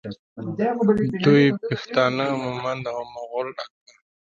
دوی پښتانه مومند او د مغول اکبر